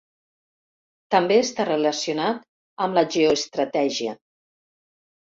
També està relacionat amb la geoestratègia.